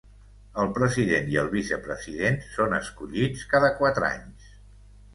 El president i el vicepresident són escollits cada quatre anys.